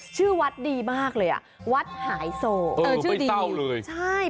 ชื่อวัดดีมากเลยอ่ะวัดหายโศกเออชื่อเดียวเลยใช่